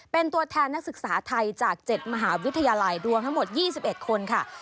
เป็นตัวแทนนักศึกษาไทยจาก๗มหาวิทยาลัยดวงทั้งหมด๒๑คนค่ะ